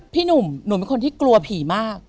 พี่หนุ่มหนูเป็นคนที่กลัวผีมาก